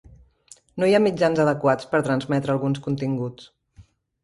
No hi ha mitjans adequats per transmetre alguns continguts.